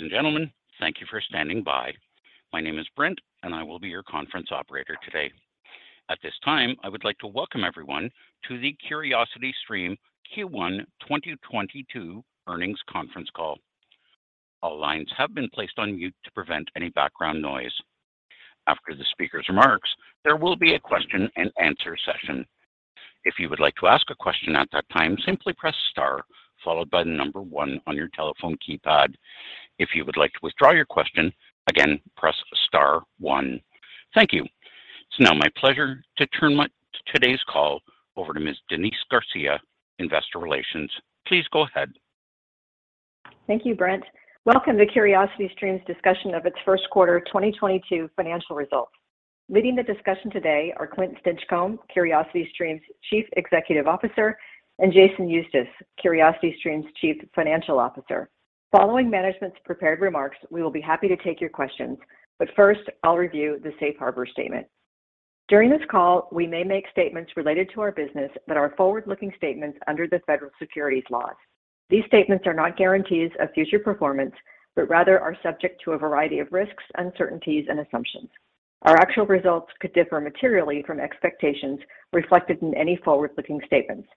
Ladies and gentlemen, thank you for standing by. My name is Brent, and I will be your conference operator today. At this time, I would like to welcome everyone to the CuriosityStream Q1 2022 earnings conference call. All lines have been placed on mute to prevent any background noise. After the speaker's remarks, there will be a question-and-answer session. If you would like to ask a question at that time, simply press star followed by the number one on your telephone keypad. If you would like to withdraw your question, again, press star one. Thank you. It's now my pleasure to turn today's call over to Ms. Denise Garcia, Investor Relations. Please go ahead. Thank you, Brent. Welcome to CuriosityStream's discussion of its first quarter 2022 financial results. Leading the discussion today are Clint Stinchcomb, CuriosityStream's Chief Executive Officer, and Jason Eustace, CuriosityStream's Chief Financial Officer. Following management's prepared remarks, we will be happy to take your questions, but first, I'll review the safe harbor statement. During this call, we may make statements related to our business that are forward-looking statements under the federal securities laws. These statements are not guarantees of future performance, but rather are subject to a variety of risks, uncertainties, and assumptions. Our actual results could differ materially from expectations reflected in any forward-looking statements.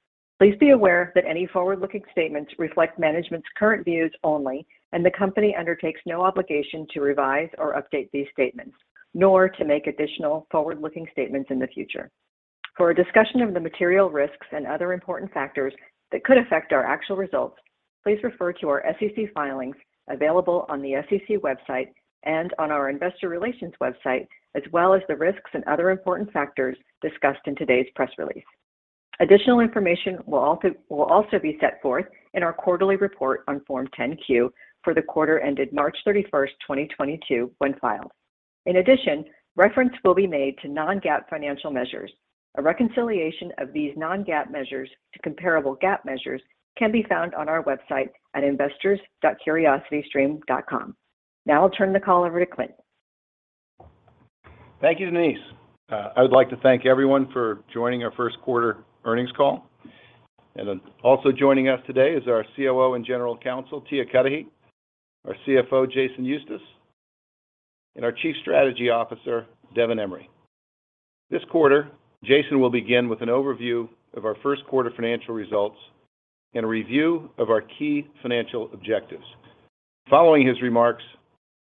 Please be aware that any forward-looking statements reflect management's current views only, and the company undertakes no obligation to revise or update these statements, nor to make additional forward-looking statements in the future. For a discussion of the material risks and other important factors that could affect our actual results, please refer to our SEC filings available on the SEC website and on our investor relations website, as well as the risks and other important factors discussed in today's press release. Additional information will also be set forth in our quarterly report on Form 10-Q for the quarter ended March 31st, 2022, when filed. In addition, reference will be made to Non-GAAP financial measures. A reconciliation of these Non-GAAP measures to comparable GAAP measures can be found on our website at investors.CuriosityStream.com. Now I'll turn the call over to Clint. Thank you, Denise. I would like to thank everyone for joining our first quarter earnings call. Also joining us today is our COO and General Counsel, Tia Cudahy, our CFO, Jason Eustace, and our Chief Strategy Officer, Devin Emery. This quarter, Jason will begin with an overview of our first quarter financial results and a review of our key financial objectives. Following his remarks,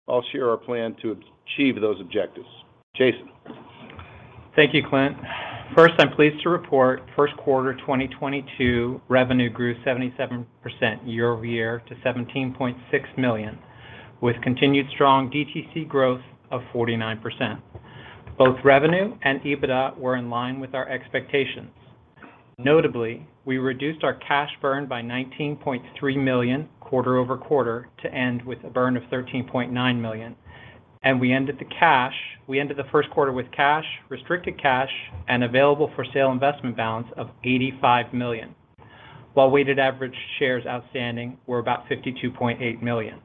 I'll share our plan to achieve those objectives. Jason. Thank you, Clint. First, I'm pleased to report first quarter 2022 revenue grew 77% year-over-year to $17.6 million, with continued strong DTC growth of 49%. Both revenue and EBITDA were in line with our expectations. Notably, we reduced our cash burn by $19.3 million quarter-over-quarter to end with a burn of $13.9 million, and we ended the first quarter with cash, restricted cash, and available for sale investment balance of $85 million, while weighted average shares outstanding were about 52.8 million.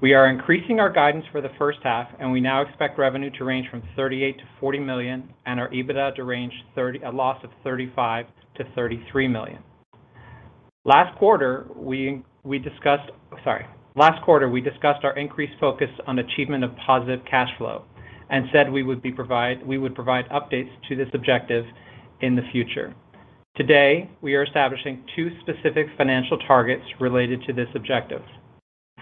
We are increasing our guidance for the first half, and we now expect revenue to range from $38 million-$40 million and our EBITDA to range a loss of $35 million-$33 million. Last quarter, we discussed. Last quarter, we discussed our increased focus on achievement of positive cash flow and said we would provide updates to this objective in the future. Today, we are establishing two specific financial targets related to this objective.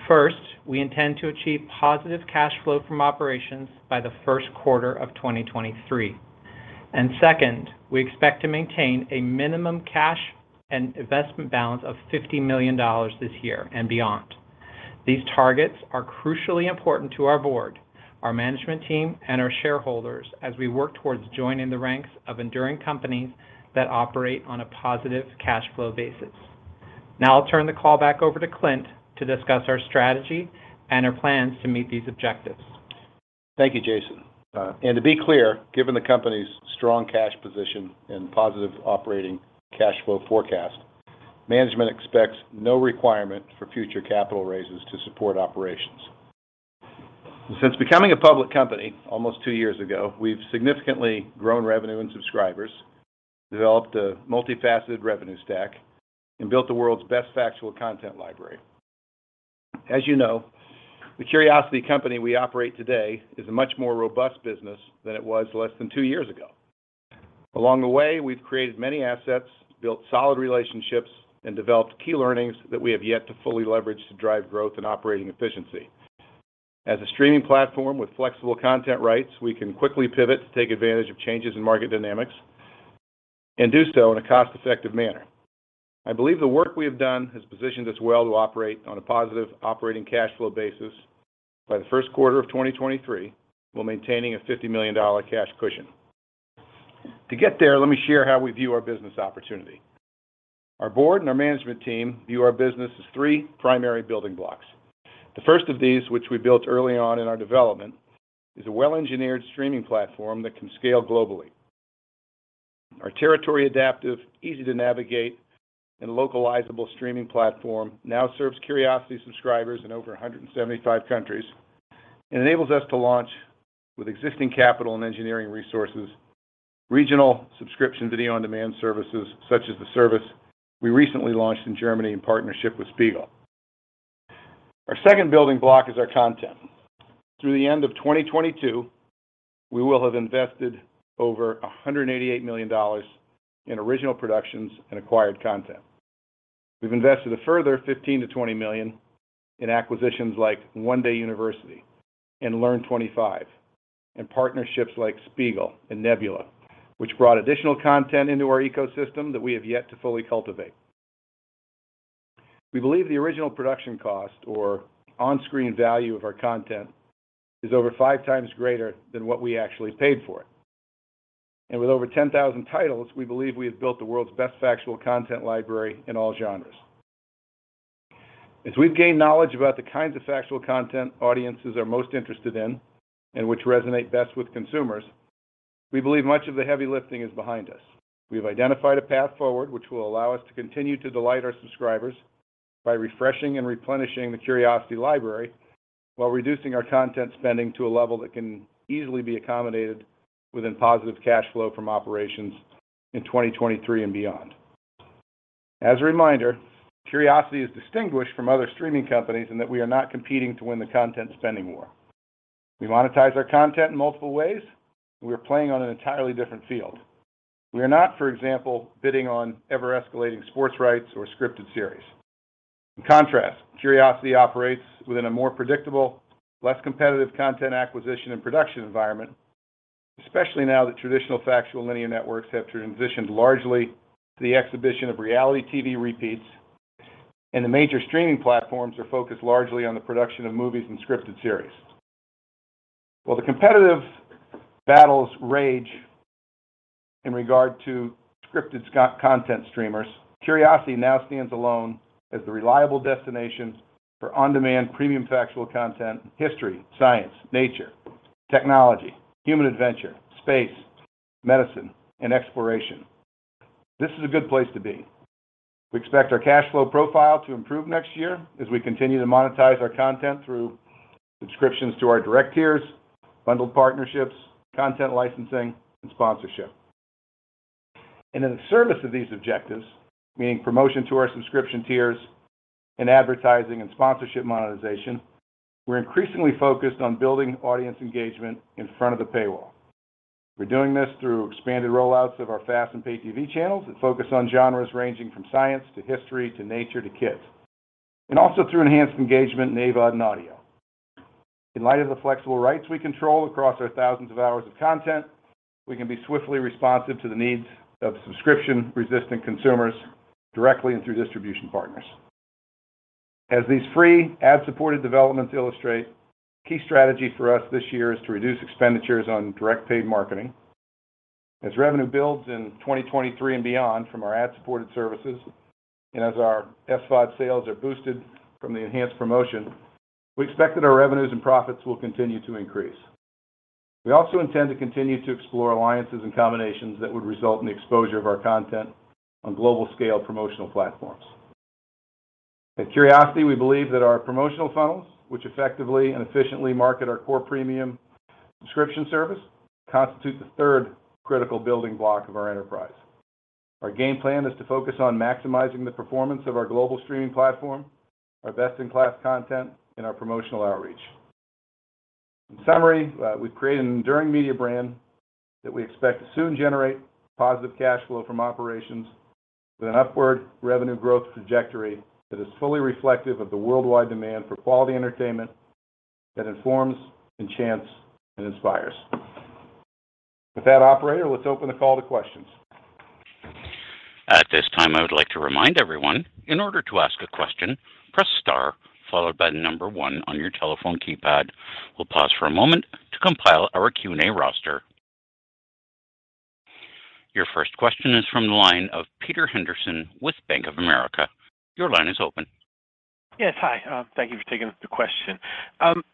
First, we intend to achieve positive cash flow from operations by the first quarter of 2023. Second, we expect to maintain a minimum cash and investment balance of $50 million this year and beyond. These targets are crucially important to our board, our management team, and our shareholders as we work towards joining the ranks of enduring companies that operate on a positive cash flow basis. Now I'll turn the call back over to Clint to discuss our strategy and our plans to meet these objectives. Thank you, Jason. To be clear, given the company's strong cash position and positive operating cash flow forecast, management expects no requirement for future capital raises to support operations. Since becoming a public company almost two years ago, we've significantly grown revenue and subscribers, developed a multifaceted revenue stack, and built the world's best factual content library. As you know, the CuriosityStream company we operate today is a much more robust business than it was less than two years ago. Along the way, we've created many assets, built solid relationships, and developed key learnings that we have yet to fully leverage to drive growth and operating efficiency. As a streaming platform with flexible content rights, we can quickly pivot to take advantage of changes in market dynamics and do so in a cost-effective manner. I believe the work we have done has positioned us well to operate on a positive operating cash flow basis by the first quarter of 2023 while maintaining a $50 million cash cushion. To get there, let me share how we view our business opportunity. Our board and our management team view our business as three primary building blocks. The first of these, which we built early on in our development, is a well-engineered streaming platform that can scale globally. Our territory-adaptive, easy to navigate, and localizable streaming platform now serves Curiosity subscribers in over 175 countries and enables us to launch with existing capital and engineering resources. Regional subscription video-on-demand services, such as the service we recently launched in Germany in partnership with Spiegel. Our second building block is our content. Through the end of 2022, we will have invested over $188 million in original productions and acquired content. We've invested a further $15 million-$20 million in acquisitions like One Day University and Learn25, and partnerships like SPIEGEL TV and Nebula, which brought additional content into our ecosystem that we have yet to fully cultivate. We believe the original production cost or on-screen value of our content is over five times greater than what we actually paid for it. With over 10,000 titles, we believe we have built the world's best factual content library in all genres. As we've gained knowledge about the kinds of factual content audiences are most interested in and which resonate best with consumers, we believe much of the heavy lifting is behind us. We have identified a path forward which will allow us to continue to delight our subscribers by refreshing and replenishing the Curiosity library while reducing our content spending to a level that can easily be accommodated within positive cash flow from operations in 2023 and beyond. As a reminder, Curiosity is distinguished from other streaming companies in that we are not competing to win the content spending war. We monetize our content in multiple ways, and we are playing on an entirely different field. We are not, for example, bidding on ever-escalating sports rights or scripted series. In contrast, Curiosity operates within a more predictable, less competitive content acquisition and production environment, especially now that traditional factual linear networks have transitioned largely to the exhibition of reality TV repeats, and the major streaming platforms are focused largely on the production of movies and scripted series. While the competitive battles rage in regard to scripted content streamers, CuriosityStream now stands alone as the reliable destination for on-demand premium factual content, history, science, nature, technology, human adventure, space, medicine, and exploration. This is a good place to be. We expect our cash flow profile to improve next year as we continue to monetize our content through subscriptions to our direct tiers, bundled partnerships, content licensing, and sponsorship. In the service of these objectives, meaning promotion to our subscription tiers and advertising and sponsorship monetization, we're increasingly focused on building audience engagement in front of the paywall. We're doing this through expanded rollouts of our FAST and pay-TV channels that focus on genres ranging from science to history to nature to kids, and also through enhanced engagement in AVOD and audio. In light of the flexible rights we control across our thousands of hours of content, we can be swiftly responsive to the needs of subscription-resistant consumers directly and through distribution partners. As these free ad-supported developments illustrate, a key strategy for us this year is to reduce expenditures on direct paid marketing. As revenue builds in 2023 and beyond from our ad-supported services and as our SVOD sales are boosted from the enhanced promotion, we expect that our revenues and profits will continue to increase. We also intend to continue to explore alliances and combinations that would result in the exposure of our content on global-scale promotional platforms. At Curiosity, we believe that our promotional funnels, which effectively and efficiently market our core premium subscription service, constitute the third critical building block of our enterprise. Our game plan is to focus on maximizing the performance of our global streaming platform, our best-in-class content, and our promotional outreach. In summary, we've created an enduring media brand that we expect to soon generate positive cash flow from operations with an upward revenue growth trajectory that is fully reflective of the worldwide demand for quality entertainment that informs, enchants, and inspires. With that, operator, let's open the call to questions. At this time, I would like to remind everyone, in order to ask a question, press star followed by the number one on your telephone keypad. We'll pause for a moment to compile our Q&A roster. Your first question is from the line of Peter Henderson with Bank of America. Your line is open. Yes. Hi. Thank you for taking the question.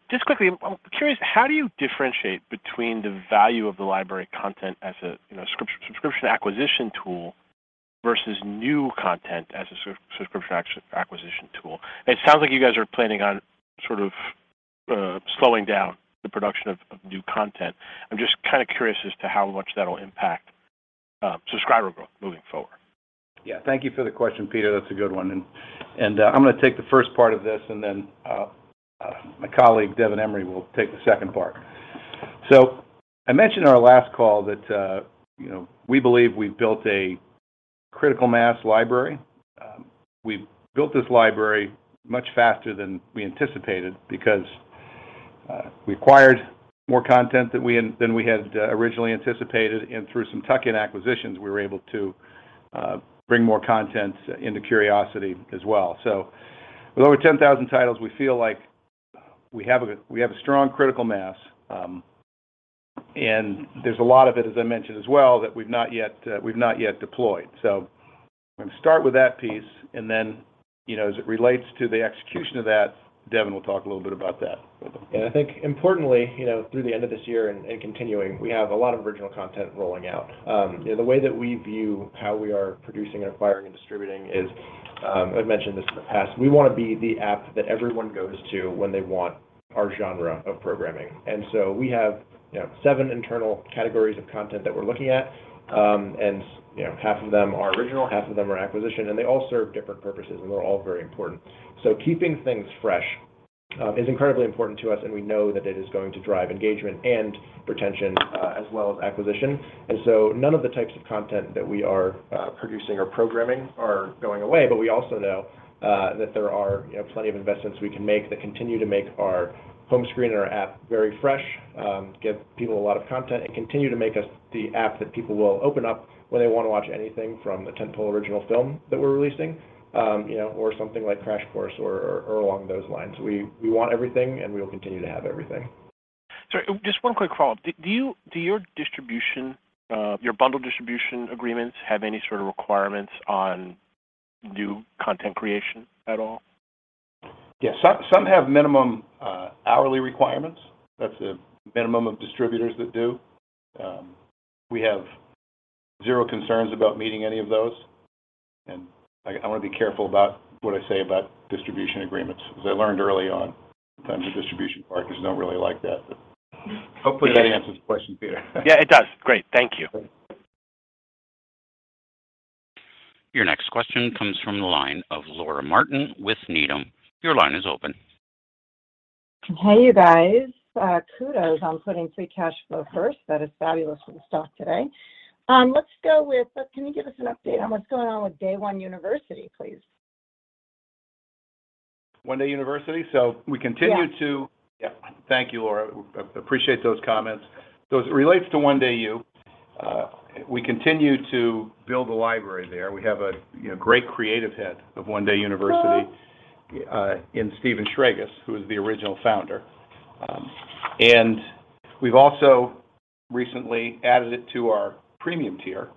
Just quickly, I'm curious, how do you differentiate between the value of the library content as a, you know, subscription acquisition tool versus new content as a subscription acquisition tool? It sounds like you guys are planning on sort of slowing down the production of new content. I'm just kinda curious as to how much that'll impact subscriber growth moving forward. Yeah. Thank you for the question, Peter. That's a good one. I'm gonna take the first part of this, and then my colleague, Devin Emery, will take the second part. I mentioned on our last call that, you know, we believe we've built a critical mass library. We've built this library much faster than we anticipated because we acquired more content than we had originally anticipated, and through some tuck-in acquisitions, we were able to bring more content into Curiosity as well. With over 10,000 titles, we feel like we have a strong critical mass. There's a lot of it, as I mentioned as well, that we've not yet deployed. I'm gonna start with that piece and then, you know, as it relates to the execution of that, Devin will talk a little bit about that. I think importantly, you know, through the end of this year and continuing, we have a lot of original content rolling out. You know, the way that we view how we are producing and acquiring and distributing is, I've mentioned this in the past, we wanna be the app that everyone goes to when they want our genre of programming. We have, you know, seven internal categories of content that we're looking at. You know, half of them are original, half of them are acquisition, and they all serve different purposes, and they're all very important. Keeping things fresh is incredibly important to us, and we know that it is going to drive engagement and retention, as well as acquisition. None of the types of content that we are producing or programming are going away. We also know that there are, you know, plenty of investments we can make that continue to make our home screen and our app very fresh, give people a lot of content, and continue to make us the app that people will open up when they wanna watch anything from the tent-pole original film that we're releasing, you know, or something like Crash Course or along those lines. We want everything, and we'll continue to have everything. Sorry, just one quick follow-up. Do your distribution, your bundle distribution agreements have any sort of requirements on new content creation at all? Yes. Some have minimum hourly requirements. That's a minimum of distributors that do. We have zero concerns about meeting any of those. I wanna be careful about what I say about distribution agreements because I learned early on sometimes the distribution partners don't really like that. Hopefully that answers the question, Peter. Yeah, it does. Great. Thank you. Okay. Your next question comes from the line of Laura Martin with Needham. Your line is open. Hey, you guys. Kudos on putting free cash flow first. That is fabulous for the stock today. Let's go with, can you give us an update on what's going on with One Day University, please? One Day University? We continue to Yes. Yeah. Thank you, Laura. Appreciate those comments. As it relates to One Day University, we continue to build a library there. We have, you know, a great creative head of One Day University in Steven Schragis, who is the original founder. We've also recently added it to our premium tier,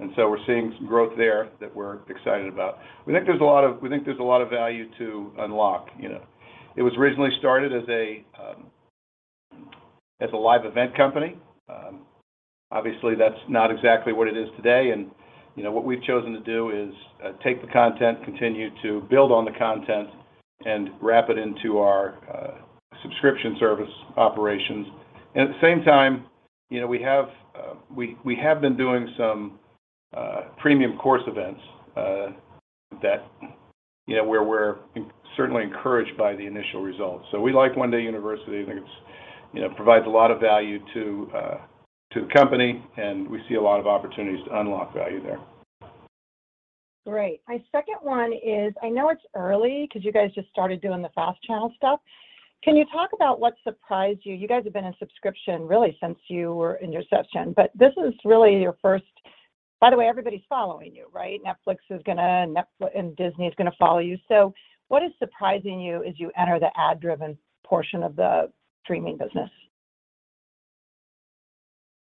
and so we're seeing some growth there that we're excited about. We think there's a lot of value to unlock. You know, it was originally started as a live event company. Obviously that's not exactly what it is today. You know, what we've chosen to do is take the content, continue to build on the content, and wrap it into our subscription service operations. At the same time, you know, we have been doing some premium course events that you know, we're certainly encouraged by the initial results. We like One Day University. I think it's, you know, provides a lot of value to the company, and we see a lot of opportunities to unlock value there. Great. My second one is, I know it's early 'cause you guys just started doing the FAST channel stuff. Can you talk about what surprised you? You guys have been in subscription really since you were inception, but this is really your first. By the way, everybody's following you, right? Netflix is gonna and Disney is gonna follow you. What is surprising you as you enter the ad-driven portion of the streaming business?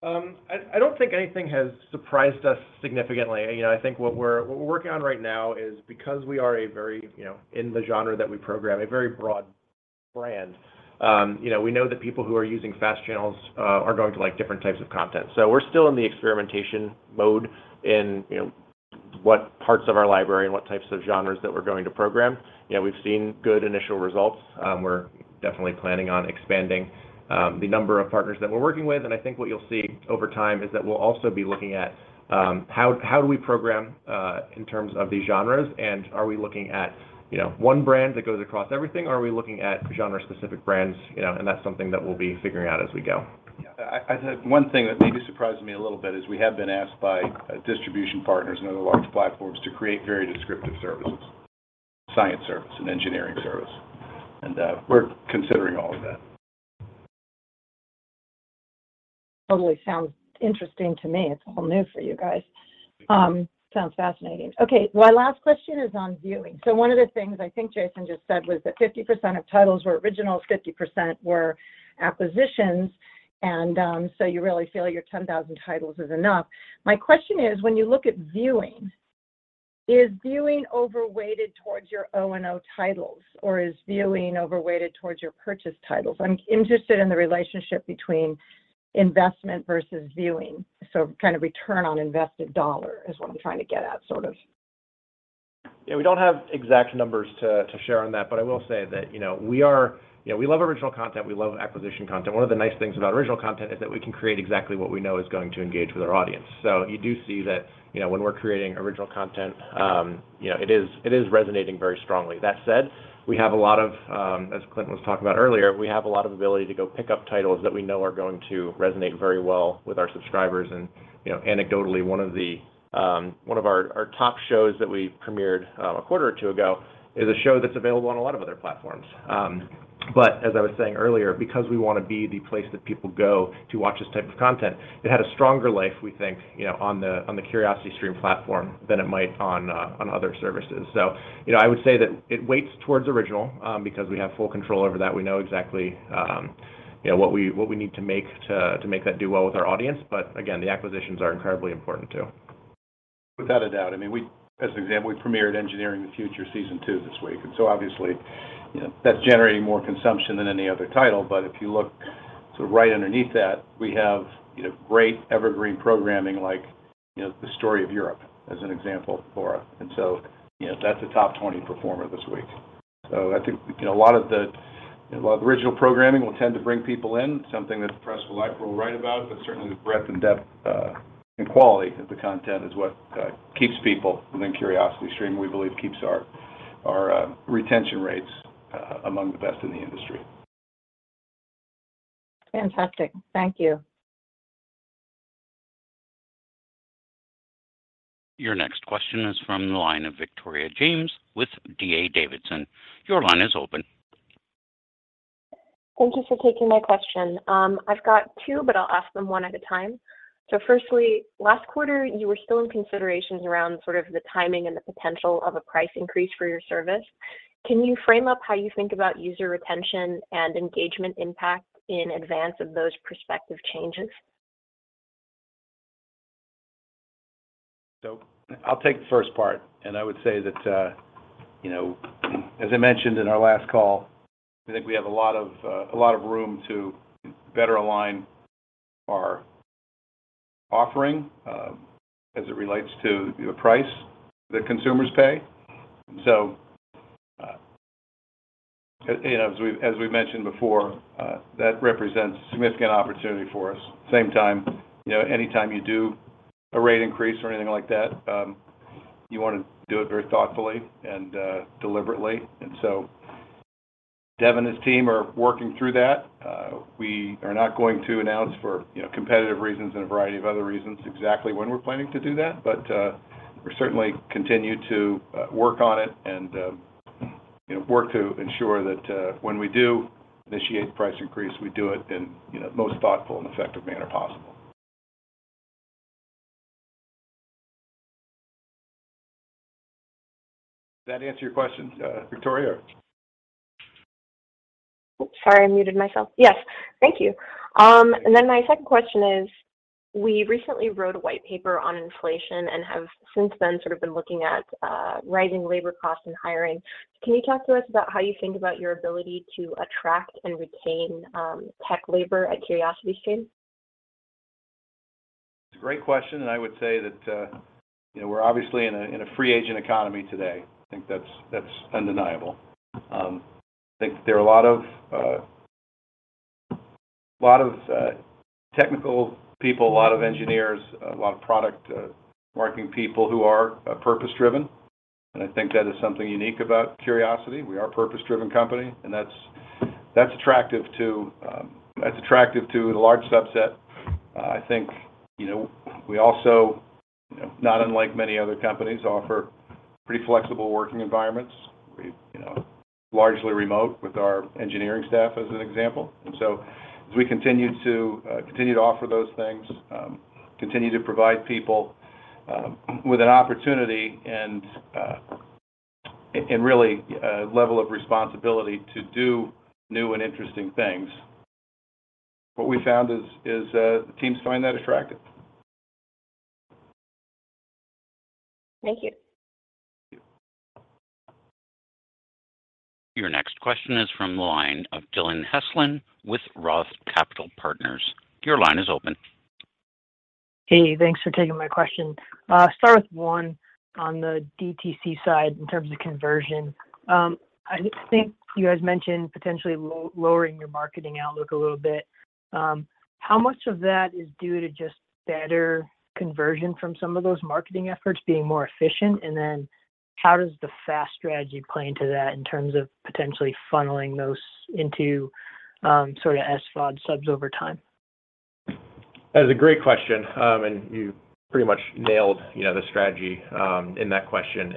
I don't think anything has surprised us significantly. You know, I think what we're working on right now is because we are a very, you know, in the genre that we program, a very broad brand, you know, we know that people who are using FAST channels are going to like different types of content. We're still in the experimentation mode, you know, what parts of our library and what types of genres that we're going to program. You know, we've seen good initial results. We're definitely planning on expanding the number of partners that we're working with. I think what you'll see over time is that we'll also be looking at how do we program in terms of these genres, and are we looking at, you know, one brand that goes across everything, or are we looking at genre-specific brands, you know? That's something that we'll be figuring out as we go. One thing that maybe surprised me a little bit is we have been asked by distribution partners and other large platforms to create very descriptive services, science service and engineering service. We're considering all of that. Totally sounds interesting to me. It's all new for you guys. Sounds fascinating. Okay. My last question is on viewing. One of the things I think Jason just said was that 50% of titles were originals, 50% were acquisitions, and so you really feel your 10,000 titles is enough. My question is, when you look at viewing, is viewing overweighted towards your O&O titles or is viewing overweighted towards your purchased titles? I'm interested in the relationship between investment versus viewing, so kind of return on invested dollar is what I'm trying to get at, sort of. Yeah, we don't have exact numbers to share on that, but I will say that, you know, we are. You know, we love original content, we love acquisition content. One of the nice things about original content is that we can create exactly what we know is going to engage with our audience. You do see that, you know, when we're creating original content, you know, it is resonating very strongly. That said, we have a lot of, as Clint was talking about earlier, we have a lot of ability to go pick up titles that we know are going to resonate very well with our subscribers. You know, anecdotally, one of our top shows that we premiered a quarter or two ago is a show that's available on a lot of other platforms. As I was saying earlier, because we wanna be the place that people go to watch this type of content, it had a stronger life, we think, you know, on the CuriosityStream platform than it might on other services. You know, I would say that it weighs towards original, because we have full control over that. We know exactly, you know, what we need to make to make that do well with our audience. Again, the acquisitions are incredibly important, too. Without a doubt. I mean, as an example, we premiered Engineering the Future Season 2 this week, and so obviously, you know, that's generating more consumption than any other title. If you look sort of right underneath that, we have, you know, great evergreen programming like, you know, The Story of Europe, as an example, Laura. That's a top 20 performer this week. I think, you know, a lot of the original programming will tend to bring people in, something that people will write about, but certainly the breadth and depth and quality of the content is what keeps people within CuriosityStream. We believe keeps our retention rates among the best in the industry. Fantastic. Thank you. Your next question is from the line of Victoria James with D.A. Davidson. Your line is open. Thank you for taking my question. I've got two, but I'll ask them one at a time. Firstly, last quarter, you were still in considerations around sort of the timing and the potential of a price increase for your service. Can you frame up how you think about user retention and engagement impact in advance of those prospective changes? I'll take the first part, and I would say that, you know, as I mentioned in our last call, I think we have a lot of room to better align our offering, as it relates to the price that consumers pay. You know, as we mentioned before, that represents a significant opportunity for us. At the same time, you know, anytime you do a rate increase or anything like that, you wanna do it very thoughtfully and deliberately. Dev and his team are working through that. We are not going to announce, for competitive reasons and a variety of other reasons, you know, exactly when we're planning to do that. We certainly continue to work on it and, you know, work to ensure that when we do initiate the price increase, we do it in, you know, the most thoughtful and effective manner possible. Does that answer your question, Victoria? Oops, sorry, I muted myself. Yes. Thank you. My second question is, we recently wrote a white paper on inflation and have since then sort of been looking at rising labor costs and hiring. Can you talk to us about how you think about your ability to attract and retain tech labor at CuriosityStream? It's a great question, and I would say that, you know, we're obviously in a free agent economy today. I think that's undeniable. I think there are a lot of technical people, a lot of engineers, a lot of product marketing people who are purpose-driven. I think that is something unique about Curiosity. We are a purpose-driven company, and that's attractive to the large subset. I think, you know, we also, not unlike many other companies, offer pretty flexible working environments, you know, largely remote with our engineering staff, as an example. As we continue to offer those things, continue to provide people with an opportunity and really level of responsibility to do new and interesting things, what we found is the teams find that attractive. Thank you. Thank you. Your next question is from the line of Dillon Heslin with ROTH Capital Partners. Your line is open. Hey, thanks for taking my question. Start with one on the DTC side in terms of conversion. I think you guys mentioned potentially lowering your marketing outlook a little bit. How much of that is due to just better conversion from some of those marketing efforts being more efficient? How does the FAST strategy play into that in terms of potentially funneling those into sort of SVOD subs over time? That is a great question. You pretty much nailed, you know, the strategy in that question,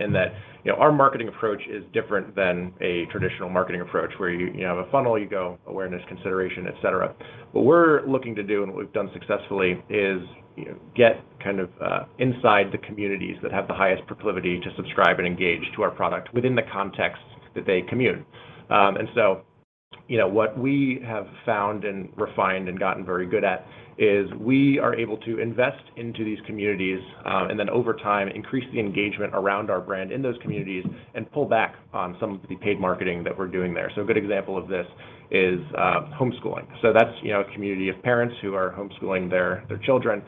you know, our marketing approach is different than a traditional marketing approach where you have a funnel, you go awareness, consideration, et cetera. What we're looking to do, and we've done successfully, is, you know, get kind of inside the communities that have the highest proclivity to subscribe and engage to our product within the context that they commune. You know, what we have found and refined and gotten very good at is we are able to invest into these communities, and then over time increase the engagement around our brand in those communities and pull back on some of the paid marketing that we're doing there. A good example of this is homeschooling. That's a community of parents who are homeschooling their children.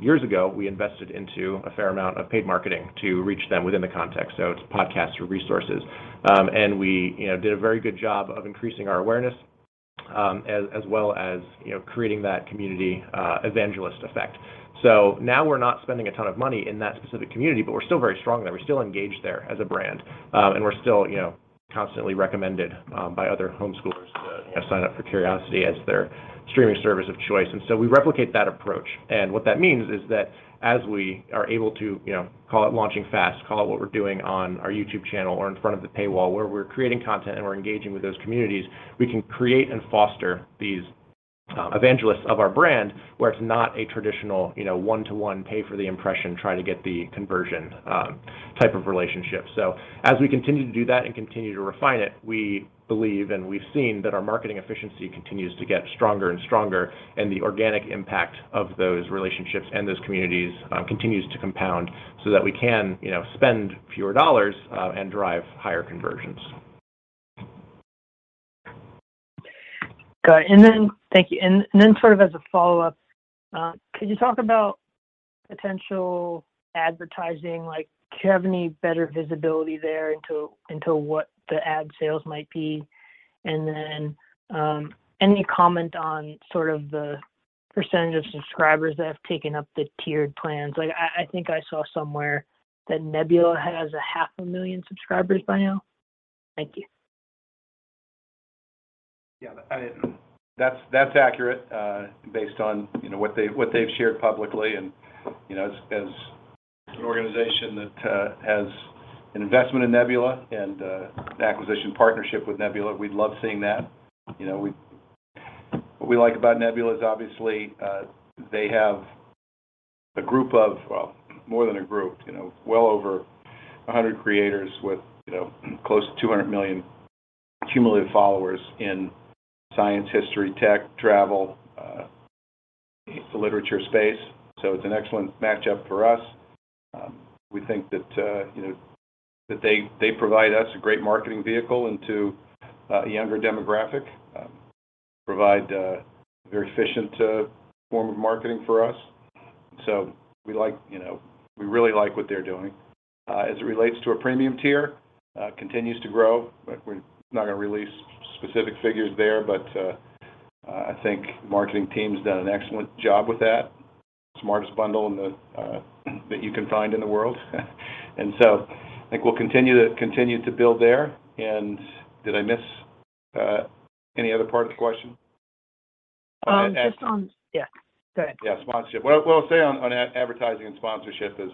Years ago, we invested into a fair amount of paid marketing to reach them within the context, so it's podcasts or resources. We did a very good job of increasing our awareness as well as creating that community evangelist effect. Now we're not spending a ton of money in that specific community, but we're still very strong there. We're still engaged there as a brand. We're still constantly recommended by other homeschoolers to sign up for Curiosity as their streaming service of choice. We replicate that approach. What that means is that as we are able to, you know, call it launching fast, call it what we're doing on our YouTube channel or in front of the paywall, where we're creating content and we're engaging with those communities, we can create and foster these evangelists of our brand where it's not a traditional, you know, one-to-one pay for the impression, try to get the conversion, type of relationship. As we continue to do that and continue to refine it, we believe and we've seen that our marketing efficiency continues to get stronger and stronger, and the organic impact of those relationships and those communities continues to compound so that we can, you know, spend fewer dollars and drive higher conversions. Got it. Thank you. Sort of as a follow-up, could you talk about potential advertising? Like, do you have any better visibility there into what the ad sales might be? Any comment on sort of the percentage of subscribers that have taken up the tiered plans? Like, I think I saw somewhere that Nebula has 500,000 subscribers by now. Thank you. Yeah. That's accurate, based on, you know, what they, what they've shared publicly. You know, as an organization that has an investment in Nebula and an acquisition partnership with Nebula, we love seeing that. You know, What we like about Nebula is obviously they have a group of... Well, more than a group, you know, well over 100 creators with, you know, close to 200 million cumulative followers in science, history, tech, travel, the literature space. So it's an excellent match-up for us. We think that, you know, that they provide us a great marketing vehicle into a younger demographic. Provide a very efficient form of marketing for us. So we like, you know, we really like what they're doing. As it relates to our premium tier, continues to grow. We're not gonna release specific figures there. I think marketing team's done an excellent job with that. Smartest bundle in the that you can find in the world. I think we'll continue to build there and. Did I miss any other part of the question? Yeah. Go ahead. Yeah, sponsorship. What I'll say on advertising and sponsorship is,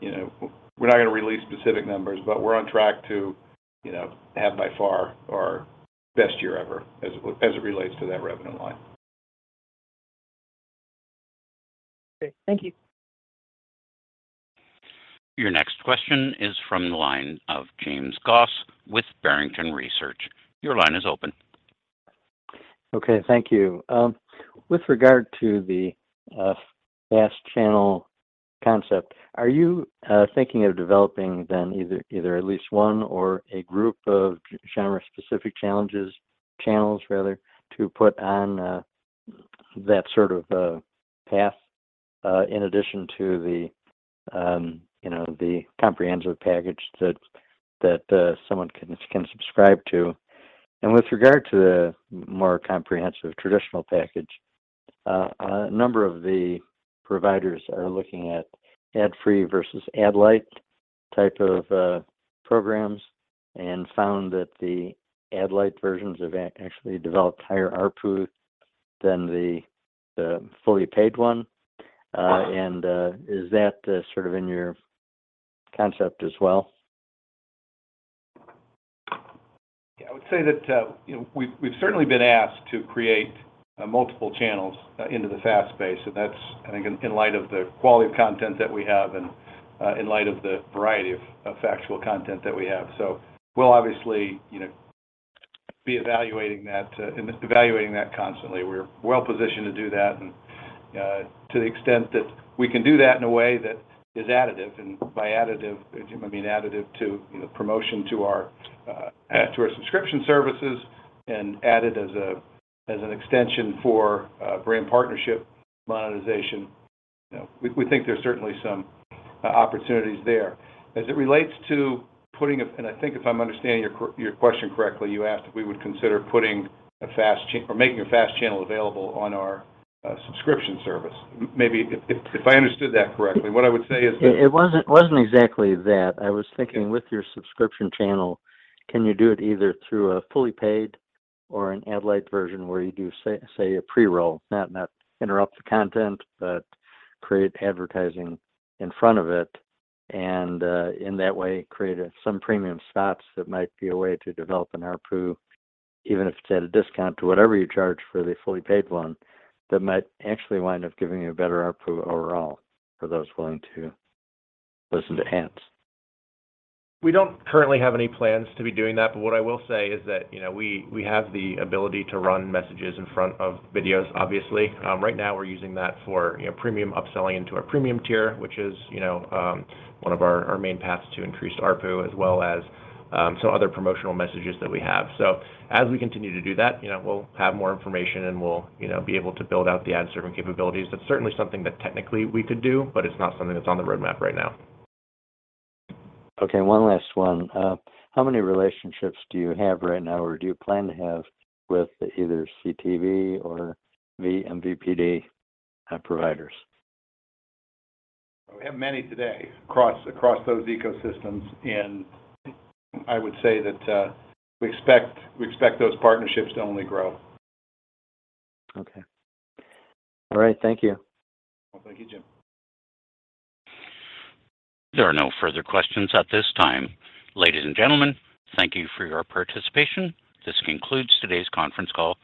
you know, we're not gonna release specific numbers, but we're on track to, you know, have by far our best year ever as it relates to that revenue line. Okay. Thank you. Your next question is from the line of James Goss with Barrington Research. Your line is open. Okay. Thank you. With regard to the FAST channel concept, are you thinking of developing then either at least one or a group of genre-specific channels to put on that sort of path in addition to you know the comprehensive package that someone can subscribe to? With regard to the more comprehensive traditional package, a number of the providers are looking at ad-free versus ad light type of programs and found that the ad light versions have actually developed higher ARPU than the fully paid one. Is that sort of in your concept as well? Yeah. I would say that, you know, we've certainly been asked to create multiple channels into the FAST space, and that's, I think, in light of the quality of content that we have and in light of the variety of factual content that we have. We'll obviously, you know, be evaluating that and evaluating that constantly. We're well-positioned to do that and to the extent that we can do that in a way that is additive. And by additive, I mean additive to, you know, promotion to our subscription services and added as an extension for brand partnership monetization. You know, we think there's certainly some opportunities there. As it relates to putting a. I think if I'm understanding your question correctly, you asked if we would consider putting a FAST channel or making a FAST channel available on our subscription service. Maybe if I understood that correctly, what I would say is that. It wasn't exactly that. I was thinking with your subscription channel, can you do it either through a fully paid or an ad light version where you do, say, a pre-roll? Not interrupt the content, but create advertising in front of it and in that way, create some premium spots that might be a way to develop an ARPU, even if it's at a discount to whatever you charge for the fully paid one, that might actually wind up giving you a better ARPU overall for those willing to listen to ads. We don't currently have any plans to be doing that, but what I will say is that, you know, we have the ability to run messages in front of videos, obviously. Right now we're using that for, you know, premium upselling into our premium tier, which is, you know, one of our main paths to increased ARPU as well as some other promotional messages that we have. As we continue to do that, you know, we'll have more information and we'll, you know, be able to build out the ad serving capabilities. That's certainly something that technically we could do, but it's not something that's on the roadmap right now. Okay, one last one. How many relationships do you have right now or do you plan to have with either CTV or vMVPD providers? We have many today across those ecosystems, and I would say that we expect those partnerships to only grow. Okay. All right, thank you. Well, thank you, James. There are no further questions at this time. Ladies and gentlemen, thank you for your participation. This concludes today's conference call.